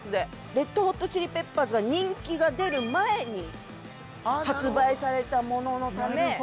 レッド・ホット・チリ・ペッパーズが人気が出る前に発売されたもののためあっ